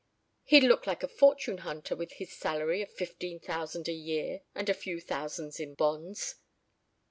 He'd look like a fortune hunter with his salary of fifteen thousand a year and a few thousands in bonds